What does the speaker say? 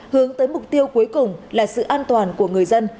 hướng tới mục tiêu cuối cùng là sự an toàn của người dân